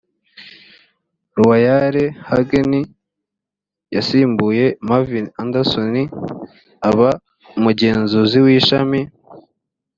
roar hagen yasimbuye marvin anderson aba umugenzuzi w ishami